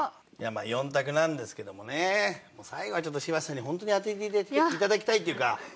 ４択なんですけどもね最後はちょっと柴田さんにホントに当てて頂きたいっていうか。